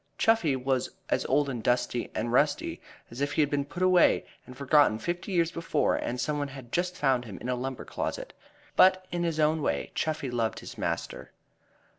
Chuffey was as old and dusty and rusty as if he had been put away and forgotten fifty years before and some one had just found him in a lumber closet. But in his own way Chuffey loved his master.